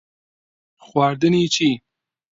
خواردنی چی؟